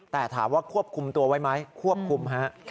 แต่ถามว่าควบคุมตัวไว้ไหมควบคุมฮะ